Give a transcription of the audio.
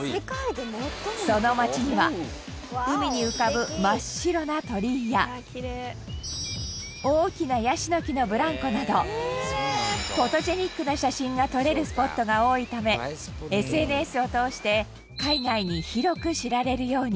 その街には海に浮かぶ真っ白な鳥居や大きなヤシの木のブランコなどフォトジェニックな写真が撮れるスポットが多いためＳＮＳを通して海外に広く知られるように。